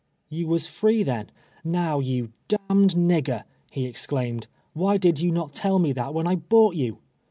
" You was free, then. Now you d d nigger," he exclaimed, " why did you not tell me that when I bought you